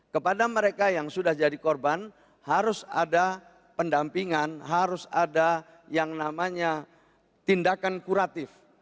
kepada mereka yang sudah jadi korban harus ada pendampingan harus ada yang namanya tindakan kuratif